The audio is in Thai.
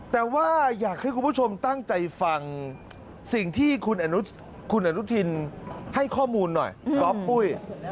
แต่ว่าอยากให้คุณผู้ชมตั้งใจฟังสิ่งที่คุณอนุทินให้ข้อมูลหน่อยก๊อฟปุ้ย